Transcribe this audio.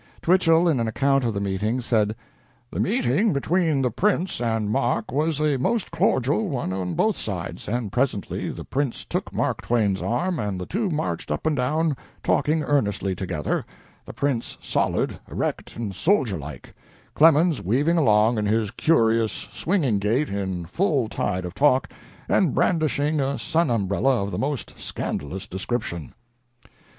Twichell, in an account of the meeting, said: "The meeting between the Prince and Mark was a most cordial one on both sides, and presently the Prince took Mark Twain's arm and the two marched up and down, talking earnestly together, the Prince solid, erect, and soldier like; Clemens weaving along in his curious, swinging gait, in full tide of talk, and brandishing a sun umbrella of the most scandalous description."